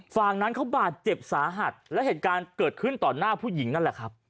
ฝั่งนั้นเขาบาดเจ็บสาหัสและเหตุการณ์เกิดขึ้นต่อหน้าผู้หญิงนั่นแหละครับ